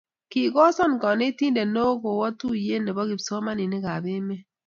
Kikosan konetinte ne oo kowok tuye ne bo kipsomaninik ab emet